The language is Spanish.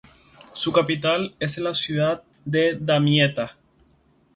Su capital es la ciudad de Damietta.